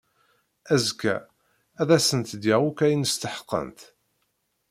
Azekka ad asent-d-yaɣ akk ayen steḥqent.